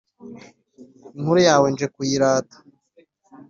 Inkuru yawe nje kuyirata.